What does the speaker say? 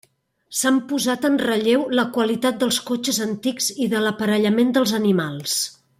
S'han posat en relleu la qualitat dels cotxes antics i de l'aparellament dels animals.